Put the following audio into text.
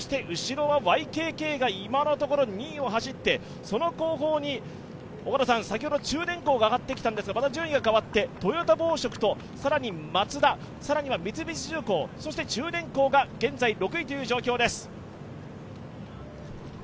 後ろはＹＫＫが今のところ２位を走ってその後方に先ほど中電工が上がってきたんですが、また順位が変わってトヨタ紡織とマツダ、さらには三菱重工そして九電工が現在６位という状況です。